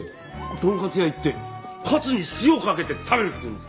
トンカツ屋行ってカツに塩かけて食べるっていうんですから！